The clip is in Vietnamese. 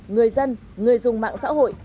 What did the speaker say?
người dân người dùng mạng xã hội